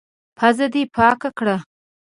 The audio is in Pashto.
پزه دي پاکه کړه!